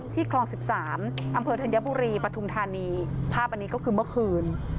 คลอง๑๓อำเภอธัญบุรีปฐุมธานีภาพอันนี้ก็คือเมื่อคืน